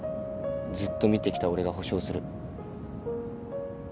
ずっと見てきた俺が保証する。